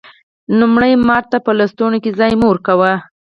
لومړی: مار ته په لستوڼي کی ځای مه ورکوه